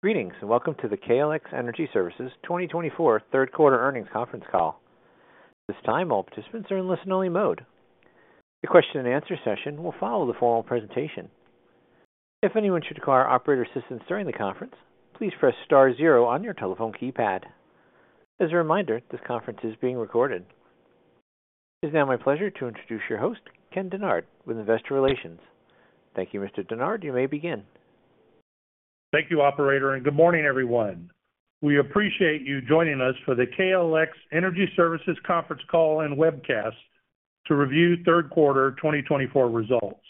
Greetings, and welcome to the KLX Energy Services 2024 third quarter earnings conference call. At this time, all participants are in listen-only mode. The question-and-answer session will follow the formal presentation. If anyone should require operator assistance during the conference, please press star zero on your telephone keypad. As a reminder, this conference is being recorded. It is now my pleasure to introduce your host, Ken Dennard, with Investor Relations. Thank you, Mr. Dennard. You may begin. Thank you, Operator, and good morning, everyone. We appreciate you joining us for the KLX Energy Services Conference Call and Webcast to review third quarter 2024 results.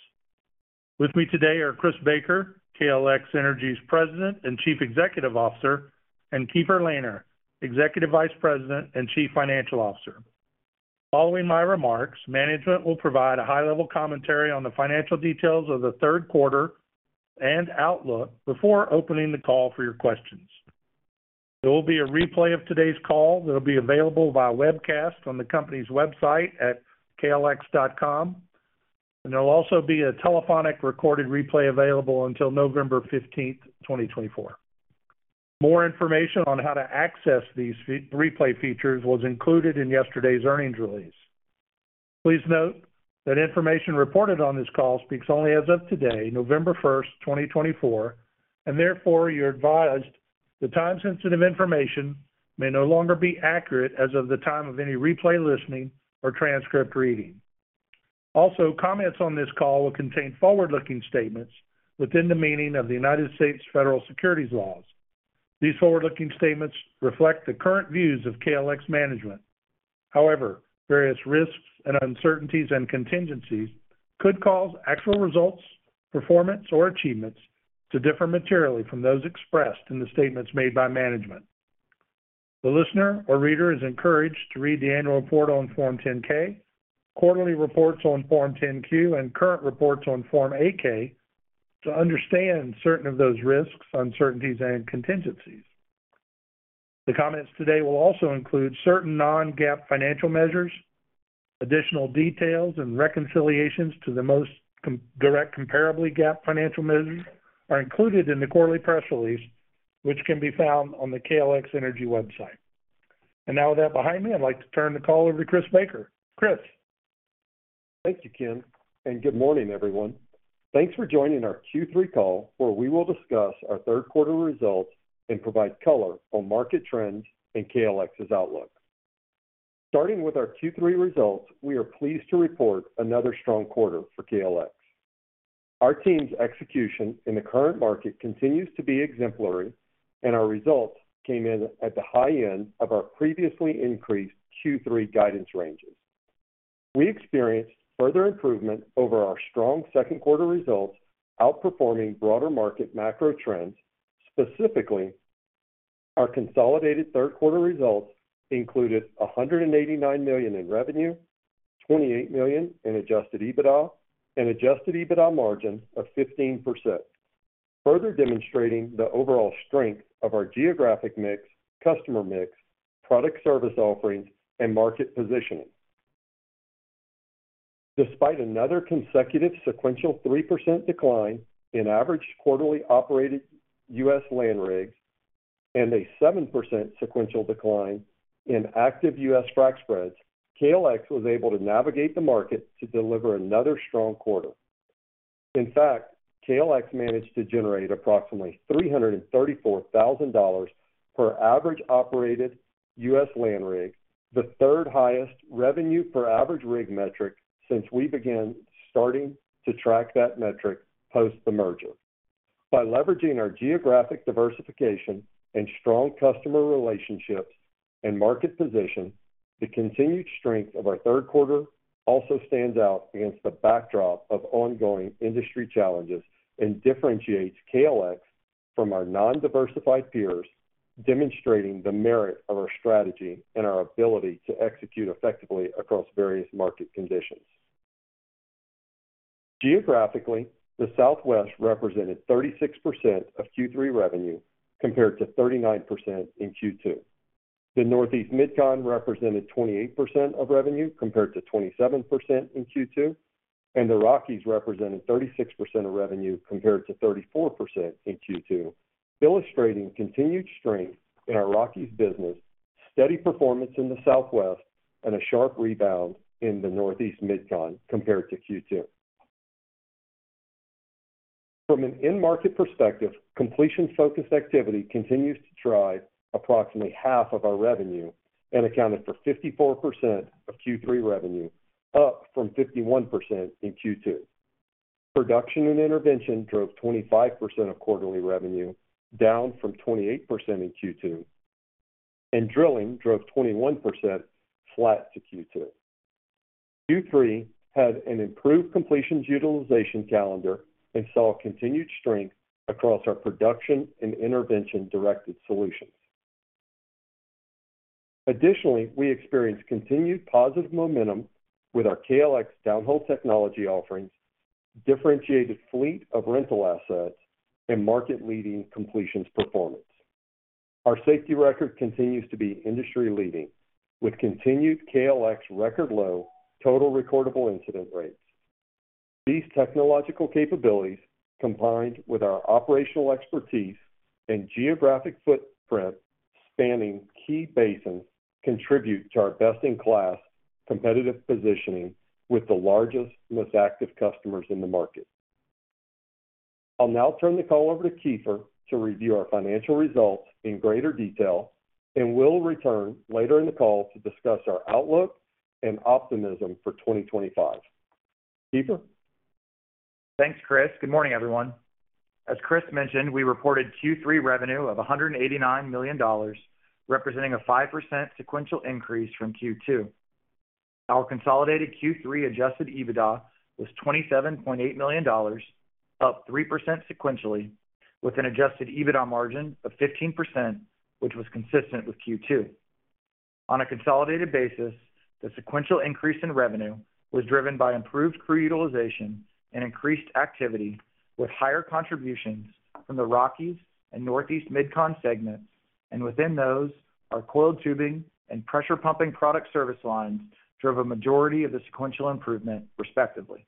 With me today are Chris Baker, KLX Energy's President and Chief Executive Officer, and Keefer Lehner, Executive Vice President and Chief Financial Officer. Following my remarks, management will provide a high-level commentary on the financial details of the third quarter and outlook before opening the call for your questions. There will be a replay of today's call that will be available via webcast on the company's website at KLX.com, and there will also be a telephonic recorded replay available until November 15th, 2024. More information on how to access these replay features was included in yesterday's earnings release. Please note that information reported on this call speaks only as of today, November 1st, 2024, and therefore you're advised the time-sensitive information may no longer be accurate as of the time of any replay listening or transcript reading. Also, comments on this call will contain forward-looking statements within the meaning of the United States Federal Securities Laws. These forward-looking statements reflect the current views of KLX management. However, various risks and uncertainties and contingencies could cause actual results, performance, or achievements to differ materially from those expressed in the statements made by management. The listener or reader is encouraged to read the annual report on Form 10-K, quarterly reports on Form 10-Q, and current reports on Form 8-K to understand certain of those risks, uncertainties, and contingencies. The comments today will also include certain non-GAAP financial measures. Additional details and reconciliations to the most direct comparably GAAP financial measures are included in the quarterly press release, which can be found on the KLX Energy website, and now with that behind me, I'd like to turn the call over to Chris Baker. Chris. Thank you, Ken, and good morning, everyone. Thanks for joining our Q3 call, where we will discuss our third quarter results and provide color on market trends and KLX's outlook. Starting with our Q3 results, we are pleased to report another strong quarter for KLX. Our team's execution in the current market continues to be exemplary, and our results came in at the high end of our previously increased Q3 guidance ranges. We experienced further improvement over our strong second quarter results, outperforming broader market macro trends. Specifically, our consolidated third quarter results included $189 million in revenue, $28 million in Adjusted EBITDA, and Adjusted EBITDA margins of 15%, further demonstrating the overall strength of our geographic mix, customer mix, product service offerings, and market positioning. Despite another consecutive sequential 3% decline in average quarterly operated U.S. land rigs and a 7% sequential decline in active U.S. Frac spreads, KLX was able to navigate the market to deliver another strong quarter. In fact, KLX managed to generate approximately $334,000 per average operated U.S. land rig, the third highest revenue per average rig metric since we began starting to track that metric post the merger. By leveraging our geographic diversification and strong customer relationships and market position, the continued strength of our third quarter also stands out against the backdrop of ongoing industry challenges and differentiates KLX from our non-diversified peers, demonstrating the merit of our strategy and our ability to execute effectively across various market conditions. Geographically, the Southwest represented 36% of Q3 revenue compared to 39% in Q2. The Northeast/Mid-Con represented 28% of revenue compared to 27% in Q2, and the Rockies represented 36% of revenue compared to 34% in Q2, illustrating continued strength in our Rockies business, steady performance in the Southwest, and a sharp rebound in the Northeast/Mid-Con compared to Q2. From an in-market perspective, completion-focused activity continues to drive approximately half of our revenue and accounted for 54% of Q3 revenue, up from 51% in Q2. Production and intervention drove 25% of quarterly revenue, down from 28% in Q2, and drilling drove 21% flat to Q2. Q3 had an improved completions utilization calendar and saw continued strength across our production and intervention directed solutions. Additionally, we experienced continued positive momentum with our KLX Downhole Technology offerings, differentiated fleet of rental assets, and market-leading completions performance. Our safety record continues to be industry-leading, with continued KLX record low total recordable incident rates. These technological capabilities, combined with our operational expertise and geographic footprint spanning key basins, contribute to our best-in-class competitive positioning with the largest, most active customers in the market. I'll now turn the call over to Keefer to review our financial results in greater detail, and we'll return later in the call to discuss our outlook and optimism for 2025. Keefer. Thanks, Chris. Good morning, everyone. As Chris mentioned, we reported Q3 revenue of $189 million, representing a 5% sequential increase from Q2. Our consolidated Q3 adjusted EBITDA was $27.8 million, up 3% sequentially, with an adjusted EBITDA margin of 15%, which was consistent with Q2. On a consolidated basis, the sequential increase in revenue was driven by improved crew utilization and increased activity, with higher contributions from the Rockies and Northeast/Mid-Con segments, and within those, our coiled tubing and pressure pumping product service lines drove a majority of the sequential improvement, respectively.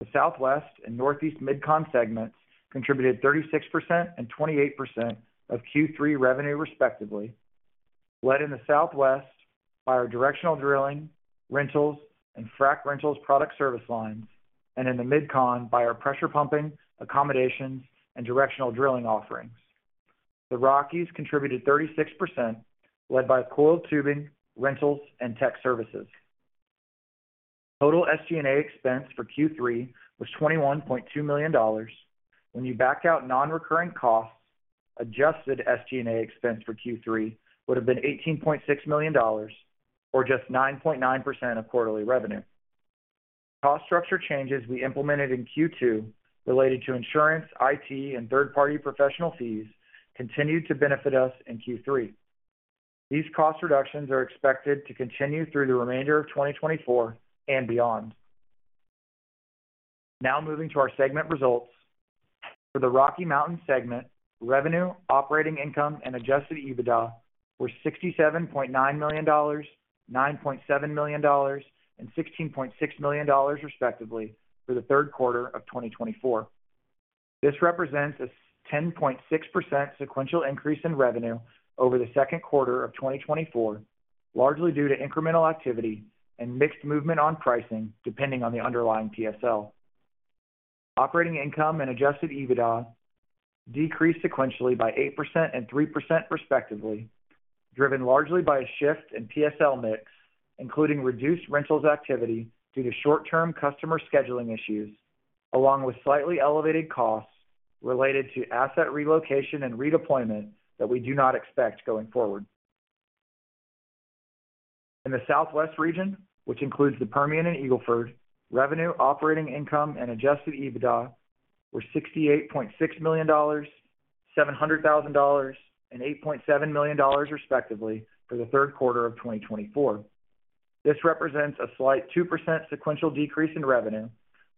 The Southwest and Northeast/Mid-Con segments contributed 36% and 28% of Q3 revenue, respectively, led in the Southwest by our directional drilling, rentals, and frac rentals product service lines, and in the Midcon by our pressure pumping, accommodations, and directional drilling offerings. The Rockies contributed 36%, led by coiled tubing, rentals, and tech services. Total SG&A expense for Q3 was $21.2 million. When you back out non-recurring costs, adjusted SG&A expense for Q3 would have been $18.6 million, or just 9.9% of quarterly revenue. Cost structure changes we implemented in Q2 related to insurance, IT, and third-party professional fees continued to benefit us in Q3. These cost reductions are expected to continue through the remainder of 2024 and beyond. Now moving to our segment results. For the Rocky Mountain segment, revenue, operating income, and adjusted EBITDA were $67.9 million, $9.7 million, and $16.6 million, respectively, for the third quarter of 2024. This represents a 10.6% sequential increase in revenue over the second quarter of 2024, largely due to incremental activity and mixed movement on pricing, depending on the underlying PSL. Operating income and Adjusted EBITDA decreased sequentially by 8% and 3%, respectively, driven largely by a shift in PSL mix, including reduced rentals activity due to short-term customer scheduling issues, along with slightly elevated costs related to asset relocation and redeployment that we do not expect going forward. In the Southwest region, which includes the Permian and Eagle Ford, revenue, operating income, and Adjusted EBITDA were $68.6 million, $700,000, and $8.7 million, respectively, for the third quarter of 2024. This represents a slight 2% sequential decrease in revenue,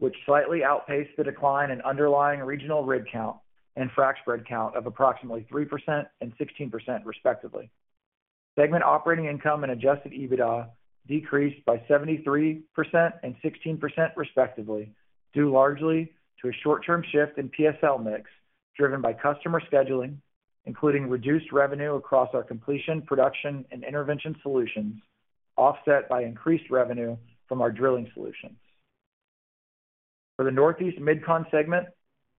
which slightly outpaced the decline in underlying regional rig count and frac spread count of approximately 3% and 16%, respectively. Segment operating income and Adjusted EBITDA decreased by 73% and 16%, respectively, due largely to a short-term shift in PSL mix driven by customer scheduling, including reduced revenue across our completion, production, and intervention solutions, offset by increased revenue from our drilling solutions. For the Northeast/Mid-Con segment,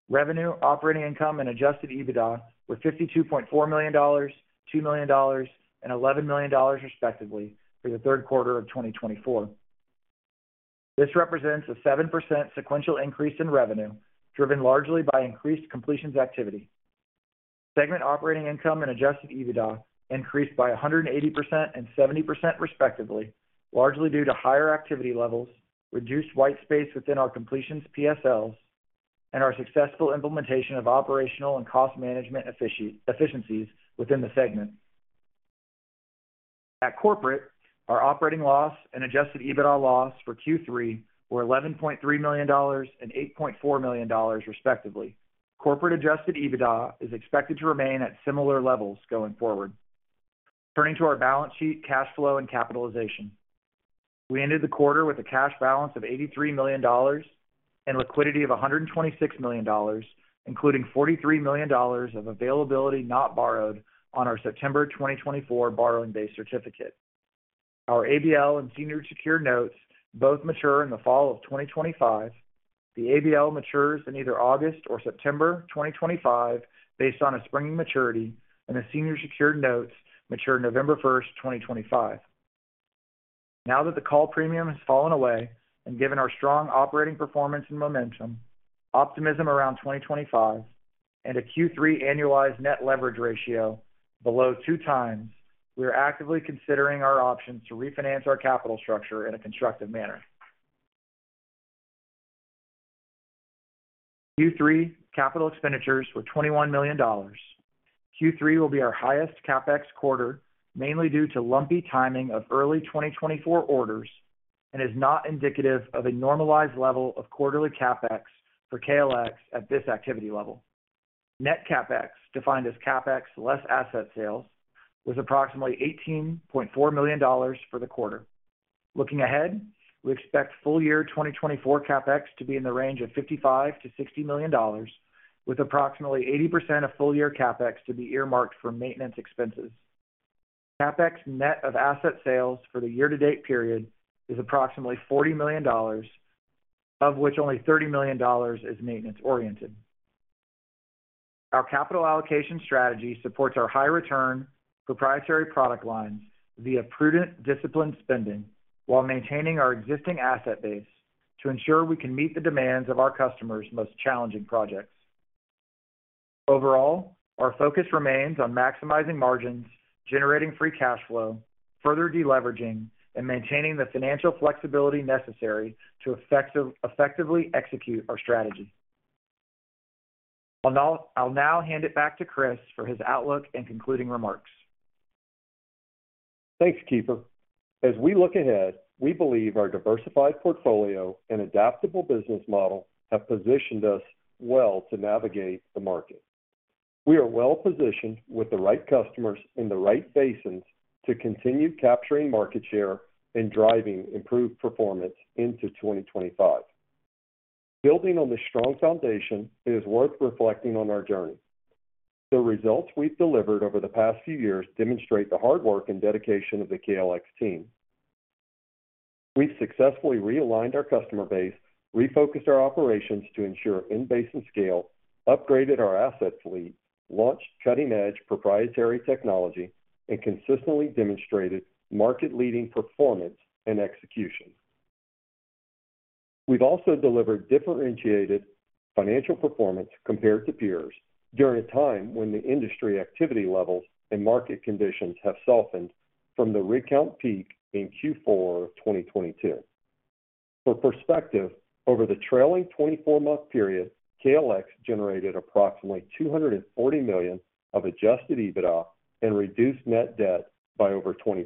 revenue, operating income, and Adjusted EBITDA were $52.4 million, $2 million, and $11 million, respectively, for the third quarter of 2024. This represents a 7% sequential increase in revenue, driven largely by increased completions activity. Segment operating income and Adjusted EBITDA increased by 180% and 70%, respectively, largely due to higher activity levels, reduced white space within our completions PSLs, and our successful implementation of operational and cost management efficiencies within the segment. At corporate, our operating loss and Adjusted EBITDA loss for Q3 were $11.3 million and $8.4 million, respectively. Corporate Adjusted EBITDA is expected to remain at similar levels going forward. Turning to our balance sheet, cash flow, and capitalization. We ended the quarter with a cash balance of $83 million and liquidity of $126 million, including $43 million of availability not borrowed on our September 2024 borrowing-base certificate. Our ABL and senior secured notes both mature in the fall of 2025. The ABL matures in either August or September 2025 based on a springing maturity, and the senior secured notes mature November 1, 2025. Now that the call premium has fallen away and given our strong operating performance and momentum, optimism around 2025, and a Q3 annualized net leverage ratio below two times, we are actively considering our options to refinance our capital structure in a constructive manner. Q3 capital expenditures were $21 million. Q3 will be our highest CapEx quarter, mainly due to lumpy timing of early 2024 orders and is not indicative of a normalized level of quarterly CapEx for KLX at this activity level. Net CapEx, defined as CapEx less asset sales, was approximately $18.4 million for the quarter. Looking ahead, we expect full year 2024 CapEx to be in the range of $55-$60 million, with approximately 80% of full year CapEx to be earmarked for maintenance expenses. CapEx net of asset sales for the year-to-date period is approximately $40 million, of which only $30 million is maintenance-oriented. Our capital allocation strategy supports our high-return proprietary product lines via prudent, disciplined spending while maintaining our existing asset base to ensure we can meet the demands of our customers' most challenging projects. Overall, our focus remains on maximizing margins, generating free cash flow, further deleveraging, and maintaining the financial flexibility necessary to effectively execute our strategy. I'll now hand it back to Chris for his outlook and concluding remarks. Thanks, Keefer. As we look ahead, we believe our diversified portfolio and adaptable business model have positioned us well to navigate the market. We are well positioned with the right customers in the right basins to continue capturing market share and driving improved performance into 2025. Building on this strong foundation, it is worth reflecting on our journey. The results we've delivered over the past few years demonstrate the hard work and dedication of the KLX team. We've successfully realigned our customer base, refocused our operations to ensure in-basin and scale, upgraded our asset fleet, launched cutting-edge proprietary technology, and consistently demonstrated market-leading performance and execution. We've also delivered differentiated financial performance compared to peers during a time when the industry activity levels and market conditions have softened from the rig count peak in Q4 of 2022. For perspective, over the trailing 24-month period, KLX generated approximately $240 million of Adjusted EBITDA and reduced net debt by over 20%.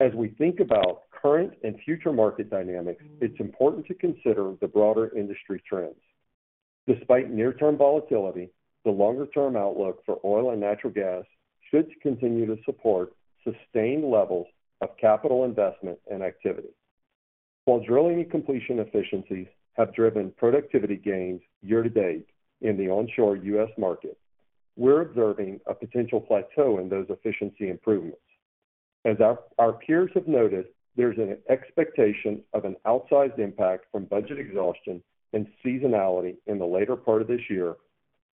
As we think about current and future market dynamics, it's important to consider the broader industry trends. Despite near-term volatility, the longer-term outlook for oil and natural gas should continue to support sustained levels of capital investment and activity. While drilling and completion efficiencies have driven productivity gains year-to-date in the onshore U.S. market, we're observing a potential plateau in those efficiency improvements. As our peers have noted, there's an expectation of an outsized impact from budget exhaustion and seasonality in the later part of this year,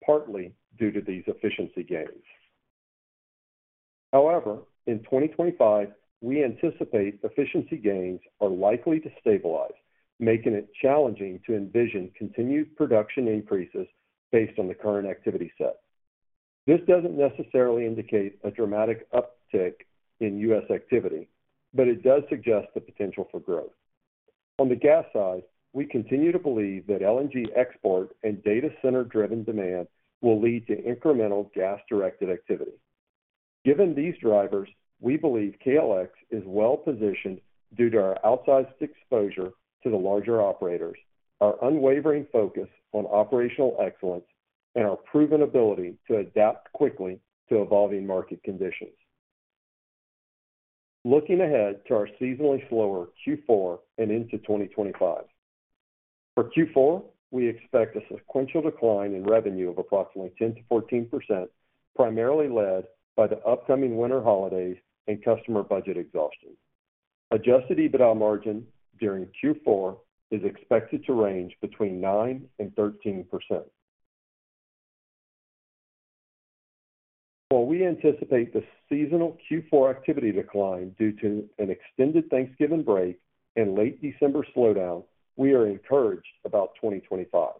partly due to these efficiency gains. However, in 2025, we anticipate efficiency gains are likely to stabilize, making it challenging to envision continued production increases based on the current activity set. This doesn't necessarily indicate a dramatic uptick in U.S. activity, but it does suggest the potential for growth. On the gas side, we continue to believe that LNG export and data-center-driven demand will lead to incremental gas-directed activity. Given these drivers, we believe KLX is well positioned due to our outsized exposure to the larger operators, our unwavering focus on operational excellence, and our proven ability to adapt quickly to evolving market conditions. Looking ahead to our seasonally slower Q4 and into 2025. For Q4, we expect a sequential decline in revenue of approximately 10%-14%, primarily led by the upcoming winter holidays and customer budget exhaustion. Adjusted EBITDA margin during Q4 is expected to range between 9%-13%. While we anticipate the seasonal Q4 activity decline due to an extended Thanksgiving break and late December slowdown, we are encouraged about 2025.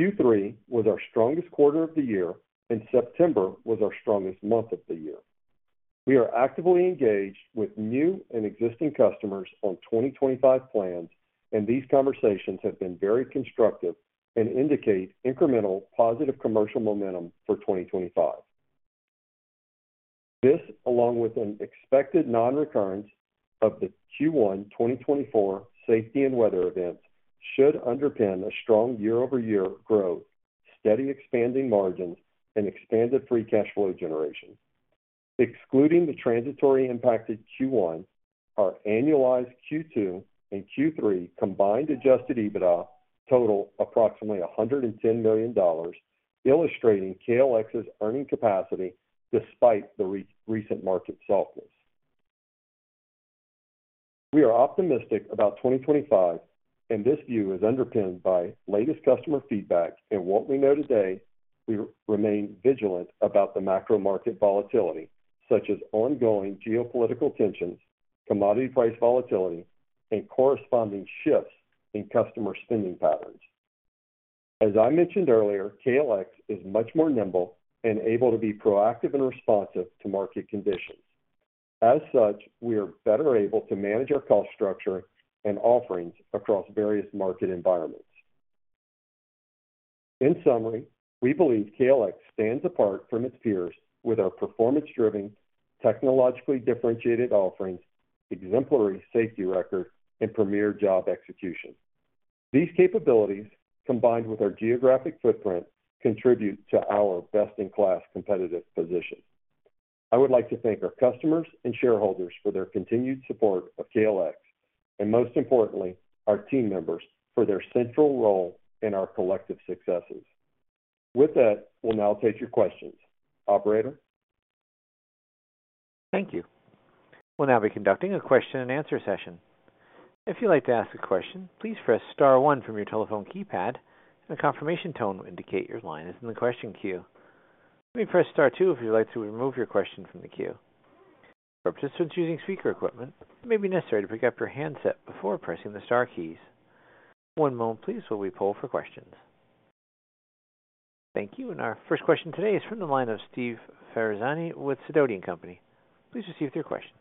Q3 was our strongest quarter of the year, and September was our strongest month of the year. We are actively engaged with new and existing customers on 2025 plans, and these conversations have been very constructive and indicate incremental positive commercial momentum for 2025. This, along with an expected non-recurrence of the Q1 2024 safety and weather events, should underpin a strong year-over-year growth, steady expanding margins, and expanded free cash flow generation. Excluding the transitory impacted Q1, our annualized Q2 and Q3 combined Adjusted EBITDA total approximately $110 million, illustrating KLX's earning capacity despite the recent market softness. We are optimistic about 2025, and this view is underpinned by latest customer feedback and what we know today. We remain vigilant about the macro market volatility, such as ongoing geopolitical tensions, commodity price volatility, and corresponding shifts in customer spending patterns. As I mentioned earlier, KLX is much more nimble and able to be proactive and responsive to market conditions. As such, we are better able to manage our cost structure and offerings across various market environments. In summary, we believe KLX stands apart from its peers with our performance-driven, technologically differentiated offerings, exemplary safety record, and premier job execution. These capabilities, combined with our geographic footprint, contribute to our best-in-class competitive position. I would like to thank our customers and shareholders for their continued support of KLX, and most importantly, our team members for their central role in our collective successes. With that, we'll now take your questions. Operator? Thank you. We'll now be conducting a question-and-answer session. If you'd like to ask a question, please press *1 from your telephone keypad, and a confirmation tone will indicate your line is in the question queue. You may press *2 if you'd like to remove your question from the queue. For participants using speaker equipment, it may be necessary to pick up your handset before pressing the star keys. One moment, please, while we pull for questions. Thank you. And our first question today is from the line of Steve Ferazani with Sidoti & Company. Please proceed with your questions.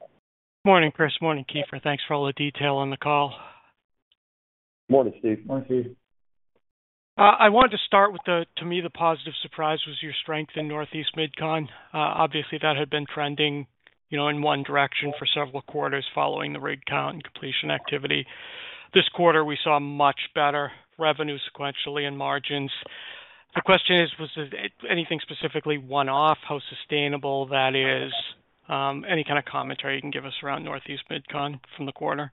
Good morning, Chris. Morning, Keefer. Thanks for all the detail on the call. Morning, Steve. Morning, Steve. I wanted to start with, to me, the positive surprise was your strength in Northeast/Mid-Con. Obviously, that had been trending in one direction for several quarters following the rig count and completion activity. This quarter, we saw much better revenue sequentially and margins. The question is, was anything specifically one-off? How sustainable that is? Any kind of commentary you can give us around Northeast/Mid-Con from the corner?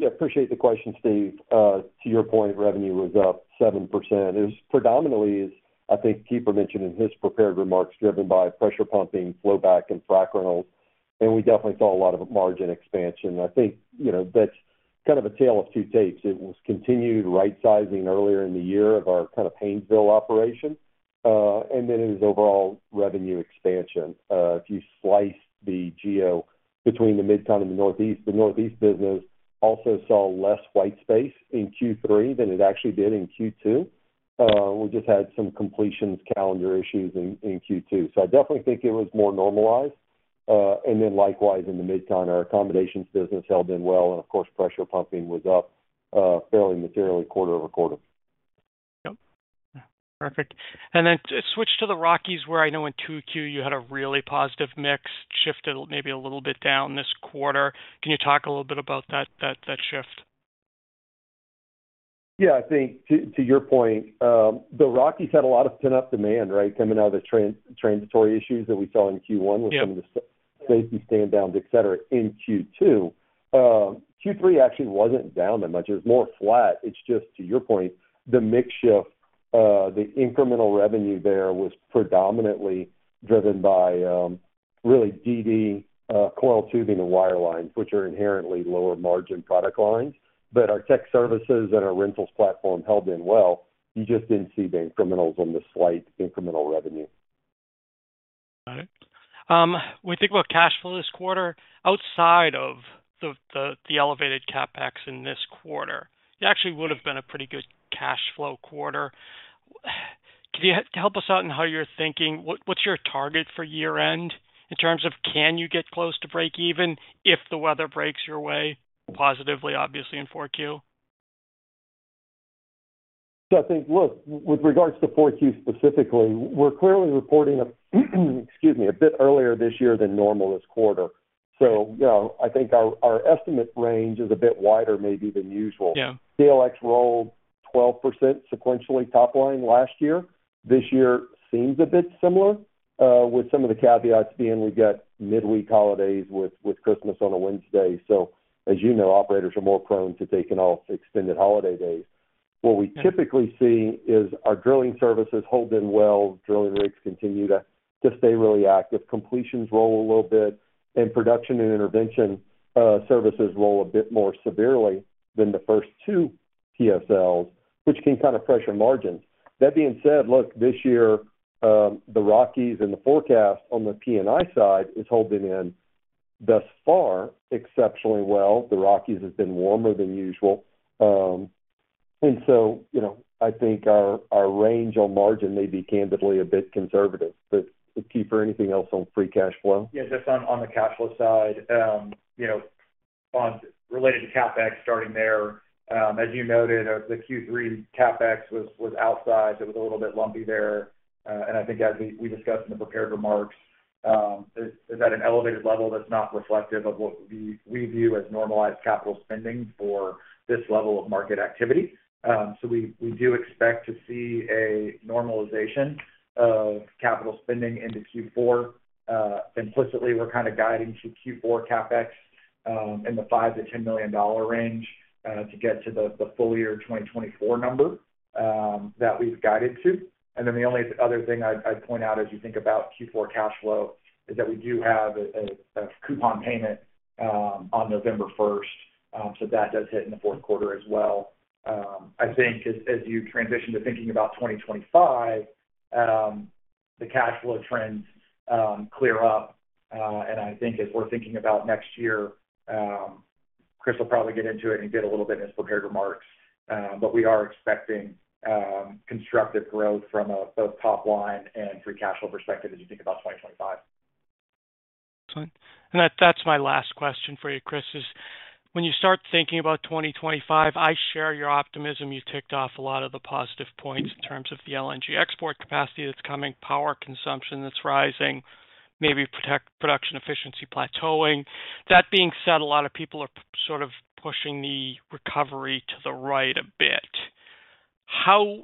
Yeah, appreciate the question, Steve. To your point, revenue was up 7%. Predominantly, as I think Keefer mentioned in his prepared remarks, driven by pressure pumping, flowback, and frac rentals, and we definitely saw a lot of margin expansion. I think that's kind of a tale of two tapes. It was continued rightsizing earlier in the year of our kind of Haynesville operation, and then it was overall revenue expansion. If you slice the geo between the Midcon and the Northeast, the Northeast business also saw less white space in Q3 than it actually did in Q2. We just had some completions calendar issues in Q2. So I definitely think it was more normalized, and then likewise, in the Midcon, our accommodations business held in well, and of course, pressure pumping was up fairly materially quarter-over-quarter. Yep. Perfect. And then switch to the Rockies, where I know in 2Q you had a really positive mix, shifted maybe a little bit down this quarter. Can you talk a little bit about that shift? Yeah, I think to your point, the Rockies had a lot of pent-up demand, right, coming out of the transitory issues that we saw in Q1 with some of the safety stand-downs, etc., in Q2. Q3 actually wasn't down that much. It was more flat. It's just, to your point, the mixture, the incremental revenue there was predominantly driven by really DD, coiled tubing, and wireline, which are inherently lower margin product lines. But our tech services and our rentals platform held up well. You just didn't see the incrementals on the slight incremental revenue. Got it. When we think about cash flow this quarter, outside of the elevated CapEx in this quarter, it actually would have been a pretty good cash flow quarter. Can you help us out in how you're thinking? What's your target for year-end in terms of can you get close to break-even if the weather breaks your way positively, obviously, in Q4? I think, look, with regards to Q4 specifically, we're clearly reporting, excuse me, a bit earlier this year than normal this quarter. I think our estimate range is a bit wider maybe than usual. KLX rolled 12% sequentially top line last year. This year seems a bit similar, with some of the caveats being we got midweek holidays with Christmas on a Wednesday. As you know, operators are more prone to taking off extended holiday days. What we typically see is our drilling services hold in well. Drilling rigs continue to stay really active. Completions roll a little bit, and production and intervention services roll a bit more severely than the first two PSLs, which can kind of pressure margins. That being said, look, this year, the Rockies and the forecast on the P&I side is holding in thus far exceptionally well. The Rockies have been warmer than usual. And so I think our range on margin may be candidly a bit conservative. But Keefer, anything else on free cash flow? Yeah, just on the cash flow side, related to CapEx starting there, as you noted, the Q3 CapEx was outsized. It was a little bit lumpy there. And I think, as we discussed in the prepared remarks, is at an elevated level that's not reflective of what we view as normalized capital spending for this level of market activity. So we do expect to see a normalization of capital spending into Q4. Implicitly, we're kind of guiding to Q4 CapEx in the $5 million-$10 million range to get to the full year 2024 number that we've guided to. And then the only other thing I'd point out as you think about Q4 cash flow is that we do have a coupon payment on November 1st. So that does hit in the fourth quarter as well. I think as you transition to thinking about 2025, the cash flow trends clear up, and I think as we're thinking about next year, Chris will probably get into it and get a little bit in his prepared remarks, but we are expecting constructive growth from both top line and free cash flow perspective as you think about 2025. Excellent, and that's my last question for you, Chris, is when you start thinking about 2025, I share your optimism. You ticked off a lot of the positive points in terms of the LNG export capacity that's coming, power consumption that's rising, maybe production efficiency plateauing. That being said, a lot of people are sort of pushing the recovery to the right a bit.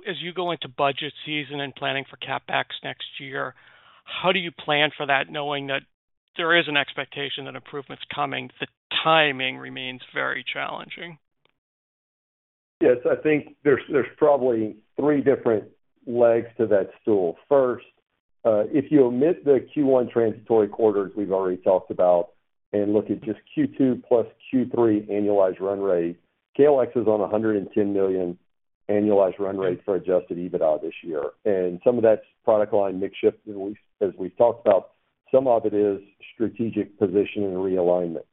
As you go into budget season and planning for CapEx next year, how do you plan for that knowing that there is an expectation that improvement's coming? The timing remains very challenging. Yes, I think there's probably three different legs to that stool. First, if you omit the Q1 transitory quarters we've already talked about and look at just Q2 plus Q3 annualized run rate, KLX is on $110 million annualized run rate for Adjusted EBITDA this year, and some of that's product line mix shift, as we've talked about. Some of it is strategic position and realignment.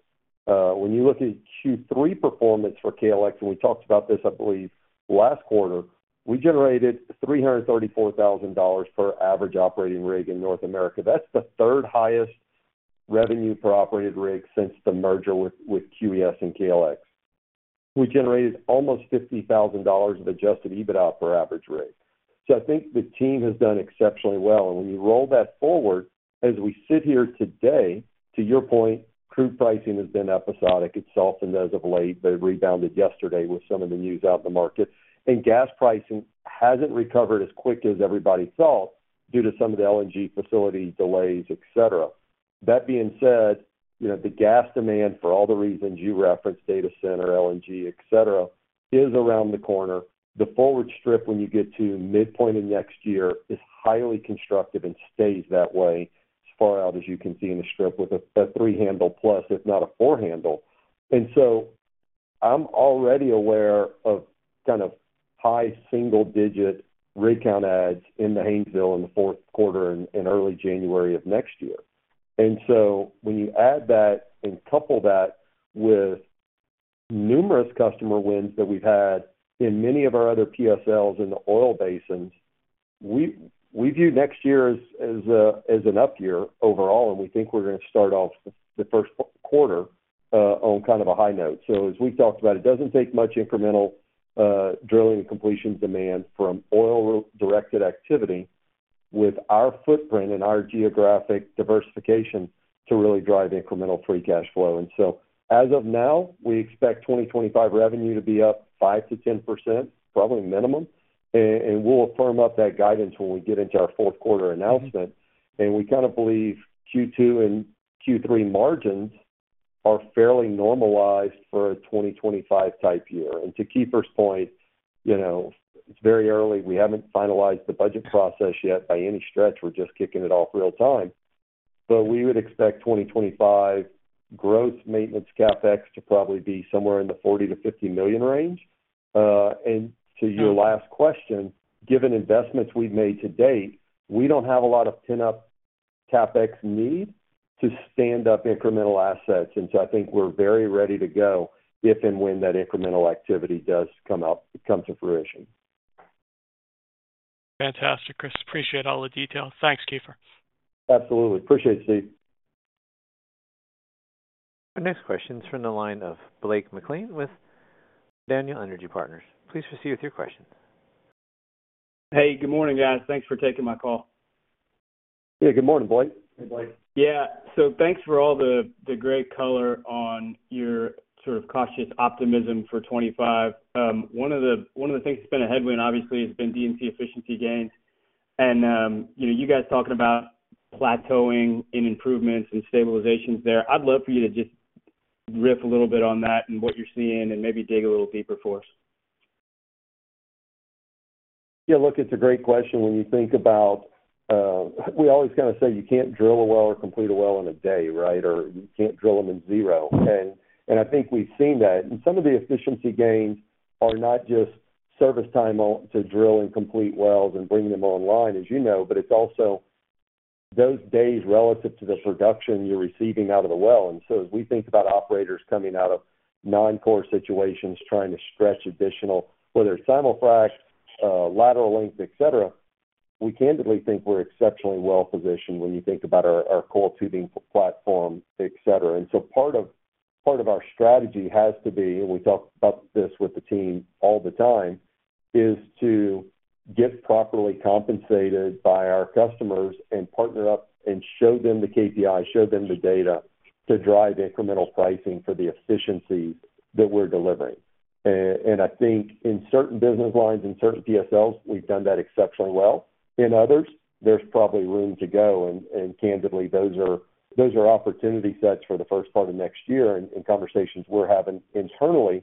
When you look at Q3 performance for KLX, and we talked about this, I believe, last quarter, we generated $334,000 per average operating rig in North America. That's the third highest revenue per operated rig since the merger with QES and KLX. We generated almost $50,000 of Adjusted EBITDA per average rig, so I think the team has done exceptionally well. And when you roll that forward, as we sit here today, to your point, crude pricing has been episodic itself, and as of late, they rebounded yesterday with some of the news out in the market. And gas pricing hasn't recovered as quick as everybody thought due to some of the LNG facility delays, etc. That being said, the gas demand, for all the reasons you referenced, data center, LNG, etc., is around the corner. The forward strip, when you get to midpoint in next year, is highly constructive and stays that way as far out as you can see in the strip with a three-handle plus, if not a four-handle. And so I'm already aware of kind of high single-digit rig count adds in the Haynesville in the fourth quarter and early January of next year. And so when you add that and couple that with numerous customer wins that we've had in many of our other PSLs in the oil basins, we view next year as an up year overall, and we think we're going to start off the first quarter on kind of a high note. So as we talked about, it doesn't take much incremental drilling and completion demand from oil-directed activity with our footprint and our geographic diversification to really drive incremental free cash flow. And so as of now, we expect 2025 revenue to be up 5%-10%, probably minimum. And we'll firm up that guidance when we get into our fourth quarter announcement. And we kind of believe Q2 and Q3 margins are fairly normalized for a 2025-type year. And to Keefer's point, it's very early. We haven't finalized the budget process yet by any stretch. We're just kicking it off real time. But we would expect 2025 growth maintenance CapEx to probably be somewhere in the $40 million-$50 million range. And to your last question, given investments we've made to date, we don't have a lot of pent-up CapEx need to stand up incremental assets. And so I think we're very ready to go if and when that incremental activity does come to fruition. Fantastic, Chris. Appreciate all the detail. Thanks, Keefer. Absolutely. Appreciate it, Steve. Next question is from the line of Blake McLean with Daniel Energy Partners. Please proceed with your question. Hey, good morning, guys. Thanks for taking my call. Yeah, good morning, Blake. Hey, Blake. Yeah, so thanks for all the great color on your sort of cautious optimism for 2025. One of the things that's been a headwind, obviously, has been D&C efficiency gains. And you guys talking about plateauing in improvements and stabilizations there. I'd love for you to just riff a little bit on that and what you're seeing and maybe dig a little deeper for us. Yeah, look, it's a great question. When you think about, we always kind of say you can't drill a well or complete a well in a day, right, or you can't drill them in zero, and I think we've seen that, and some of the efficiency gains are not just service time to drill and complete wells and bring them online, as you know, but it's also those days relative to the production you're receiving out of the well, and so as we think about operators coming out of non-core situations trying to stretch additional, whether it's simul fracs, lateral length, etc., we candidly think we're exceptionally well positioned when you think about our coiled tubing platform, etc. And so part of our strategy has to be, and we talk about this with the team all the time, is to get properly compensated by our customers and partner up and show them the KPIs, show them the data to drive incremental pricing for the efficiencies that we're delivering. And I think in certain business lines, in certain PSLs, we've done that exceptionally well. In others, there's probably room to go. And candidly, those are opportunity sets for the first part of next year and conversations we're having internally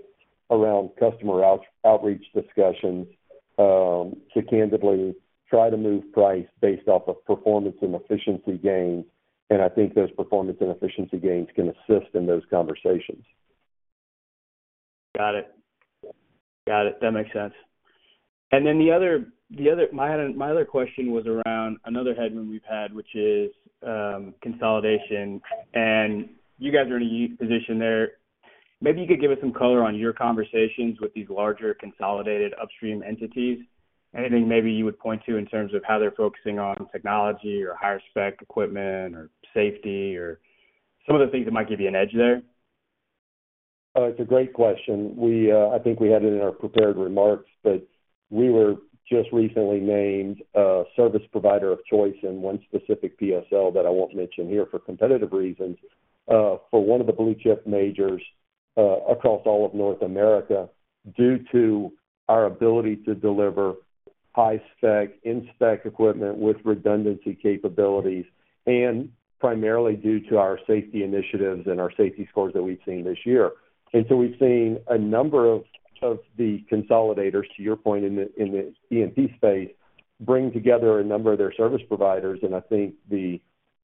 around customer outreach discussions to candidly try to move price based off of performance and efficiency gains. And I think those performance and efficiency gains can assist in those conversations. Got it. Got it. That makes sense. And then the other question was around another headwind we've had, which is consolidation. And you guys are in a unique position there. Maybe you could give us some color on your conversations with these larger consolidated upstream entities. Anything maybe you would point to in terms of how they're focusing on technology or higher spec equipment or safety or some of the things that might give you an edge there? It's a great question. I think we had it in our prepared remarks, but we were just recently named a service provider of choice in one specific PSL that I won't mention here for competitive reasons for one of the blue chip majors across all of North America due to our ability to deliver high spec, in-spec equipment with redundancy capabilities, and primarily due to our safety initiatives and our safety scores that we've seen this year. And so we've seen a number of the consolidators, to your point, in the E&P space, bring together a number of their service providers. And I think the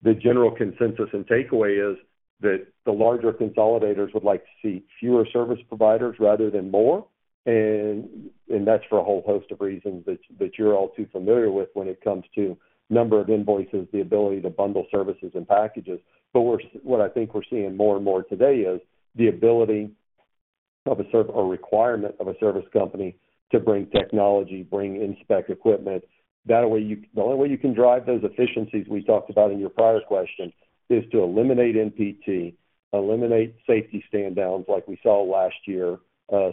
general consensus and takeaway is that the larger consolidators would like to see fewer service providers rather than more. That's for a whole host of reasons that you're all too familiar with when it comes to number of invoices, the ability to bundle services and packages. What I think we're seeing more and more today is the ability of a requirement of a service company to bring technology, bring in-spec equipment. That way, the only way you can drive those efficiencies we talked about in your prior question is to eliminate NPT, eliminate safety stand-downs like we saw last year,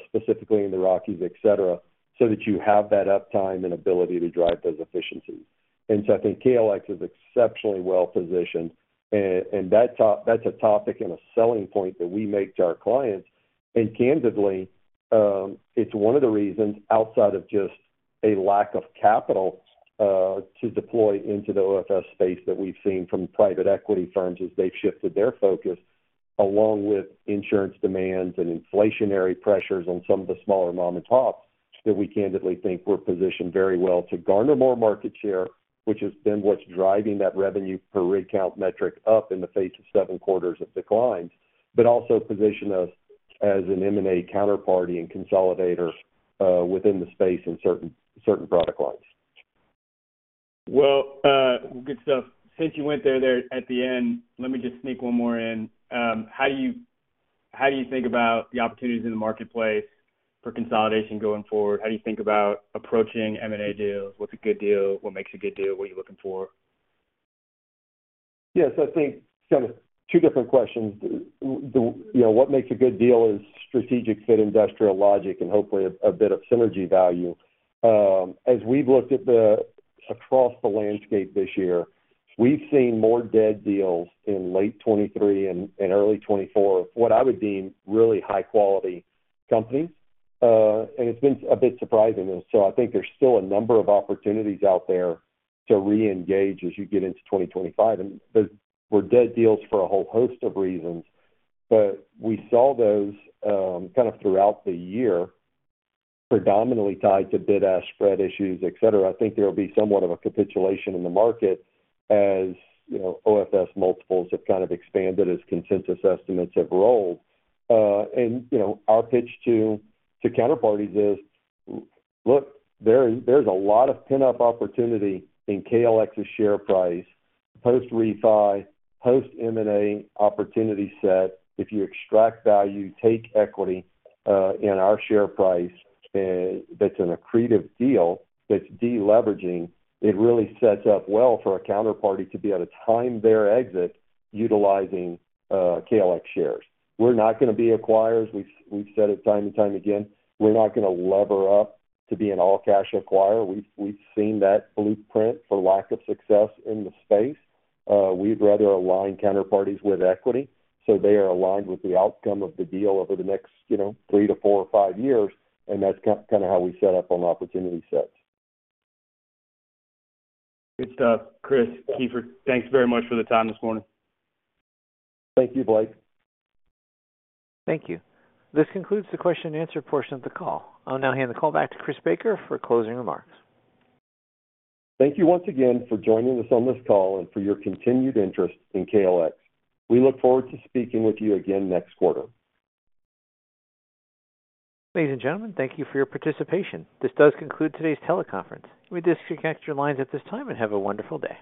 specifically in the Rockies, etc., so that you have that uptime and ability to drive those efficiencies. I think KLX is exceptionally well positioned. That's a topic and a selling point that we make to our clients. and, candidly, it's one of the reasons outside of just a lack of capital to deploy into the OFS space that we've seen from private equity firms as they've shifted their focus, along with insurance demands and inflationary pressures on some of the smaller mom-and-pops, that we candidly think we're positioned very well to garner more market share, which has been what's driving that revenue per rig count metric up in the face of seven quarters of declines, but also position us as an M&A counterparty and consolidator within the space in certain product lines. Good stuff. Since you went there at the end, let me just sneak one more in. How do you think about the opportunities in the marketplace for consolidation going forward? How do you think about approaching M&A deals? What's a good deal? What makes a good deal? What are you looking for? Yes, I think kind of two different questions. What makes a good deal is strategic fit, industrial logic, and hopefully a bit of synergy value. As we've looked across the landscape this year, we've seen more dead deals in late 2023 and early 2024 of what I would deem really high-quality companies, and it's been a bit surprising, and so I think there's still a number of opportunities out there to re-engage as you get into 2025, and dead deals were for a whole host of reasons, but we saw those kind of throughout the year, predominantly tied to bid-ask spread issues, etc. I think there will be somewhat of a capitulation in the market as OFS multiples have kind of expanded as consensus estimates have rolled, and our pitch to counterparties is, look, there's a lot of pent-up opportunity in KLX's share price, post-refi, post-M&A opportunity set. If you extract value, take equity in our share price, that's an accretive deal that's deleveraging. It really sets up well for a counterparty to be able to time their exit utilizing KLX shares. We're not going to be acquirers. We've said it time and time again. We're not going to lever up to be an all-cash acquirer. We've seen that blueprint for lack of success in the space. We'd rather align counterparties with equity so they are aligned with the outcome of the deal over the next three to four or five years, and that's kind of how we set up on opportunity sets. Good stuff. Chris, Keefer, thanks very much for the time this morning. Thank you, Blake. Thank you. This concludes the question-and-answer portion of the call. I'll now hand the call back to Chris Baker for closing remarks. Thank you once again for joining us on this call and for your continued interest in KLX. We look forward to speaking with you again next quarter. Ladies and gentlemen, thank you for your participation. This does conclude today's teleconference. We disconnect your lines at this time and have a wonderful day.